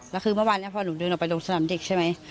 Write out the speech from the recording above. แล้วคือเมื่อวานนี้พอหนูเดินออกไปลงสนามเด็กใช่ไหม